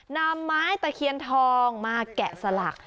นำไม้ตะเคียนทองมาแกะสลัก